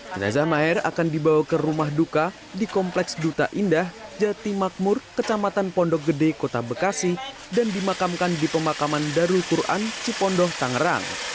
jenazah maher akan dibawa ke rumah duka di kompleks duta indah jati makmur kecamatan pondok gede kota bekasi dan dimakamkan di pemakaman darul quran cipondoh tangerang